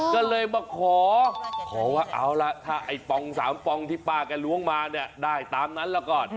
ก็เลยมาขอขอว่าเอาล่ะถ้าไอ้ปอง๓ปองที่ป้าแกล้วงมาเนี่ยได้ตามนั้นละก่อน